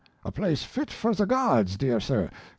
A place fit for the gods, dear sir.